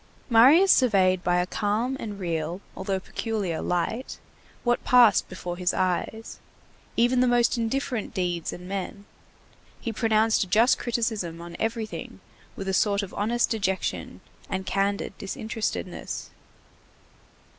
Marius surveyed by a calm and real, although peculiar light, what passed before his eyes, even the most indifferent deeds and men; he pronounced a just criticism on everything with a sort of honest dejection and candid disinterestedness.